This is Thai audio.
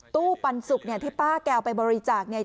ปันสุกเนี่ยที่ป้าแกเอาไปบริจาคเนี่ย